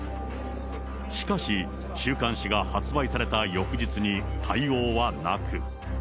しかし、週刊誌が発売された翌日に対応はなく。